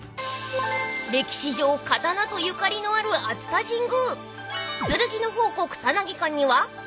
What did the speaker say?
［歴史上刀とゆかりのある熱田神宮］